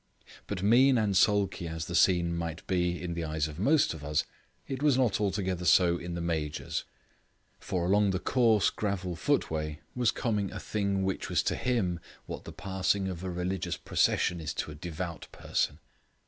But mean and sulky as the scene might be in the eyes of most of us, it was not altogether so in the Major's, for along the coarse gravel footway was coming a thing which was to him what the passing of a religious procession is to a devout person.